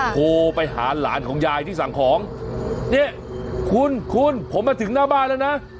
โทรไปหาหลานของยายที่สั่งของเนี่ยคุณคุณผมมาถึงหน้าบ้านแล้วนะ